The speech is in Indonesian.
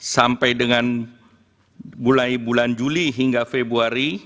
sampai dengan mulai bulan juli hingga februari